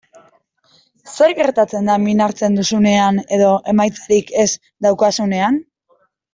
Zer gertatzen da min hartzen duzunean edo emaitzarik ez daukazunean?